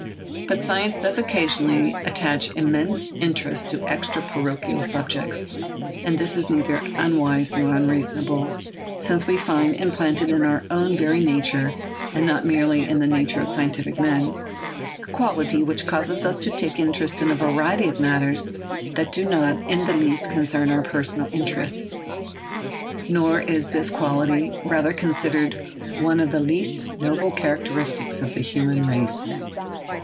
But science does occasionally attach immense interest to extra parochial subjects. And this is neither unwise nor unreasonable, since we find implanted in our very nature—and not merely in the nature of scientific men—a quality which causes us to take interest in a variety of matters that do not in the least concern our personal interests. Nor is this quality, rightly considered, one of the least noble characteristics of the human race.